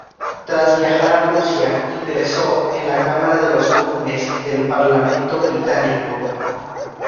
Tras viajar a Rusia, ingresó en la Cámara de los Comunes del Parlamento Británico.